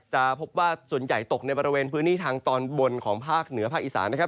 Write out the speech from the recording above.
จะพบว่าส่วนใหญ่ตกในบริเวณพื้นที่ทางตอนบนของภาคเหนือภาคอีสานนะครับ